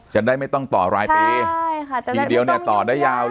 จะได้ไม่ต้องต่อรายปีปีเดียวต่อได้ยาวเลย